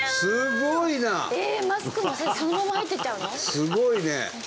すごいね！